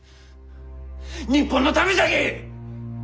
日本のためじゃき！